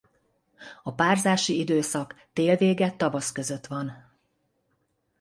A párzási időszak tél vége-tavasz között van.